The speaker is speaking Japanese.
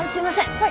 はい。